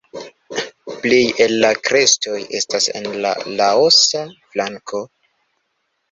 Plej el la krestoj estas en la Laosa flanko.